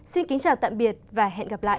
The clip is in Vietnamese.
xin kính chào tạm biệt và hẹn gặp lại